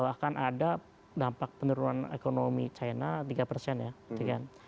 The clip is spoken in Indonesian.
akan ada dampak penurunan ekonomi china tiga persen ya